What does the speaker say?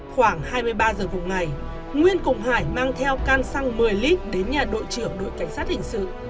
khoảng hai mươi ba giờ cùng ngày nguyên cùng hải mang theo can xăng một mươi lit đến nhà đội trưởng đội cảnh sát hình sự